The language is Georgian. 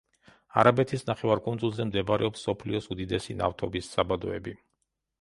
არაბეთის ნახევარკუნძულზე მდებარეობს მსოფლიოს უდიდესი ნავთობის საბადოები.